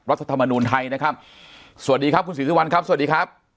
ธรรมนูลไทยนะครับสวัสดีครับคุณศรีสุวรรณครับสวัสดีครับ